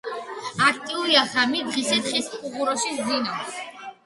აქტიურია ღამით, დღისით ხის ფუღუროში სძინავს.